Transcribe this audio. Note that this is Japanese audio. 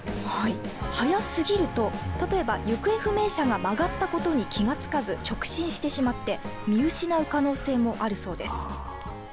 速過ぎると、たとえば行方不明者が曲がったことに気がつかず直進してしまって見失う可能性もあるそうです。